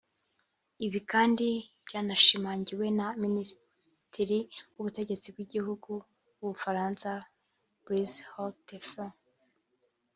Ibi kandi byanashimangiwe na minisitiri w’ubutegetsi bw’igihugu w’u Bufaransa Brice Hortefeux